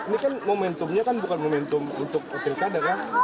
ini kan momentumnya bukan momentum untuk pilih kader ya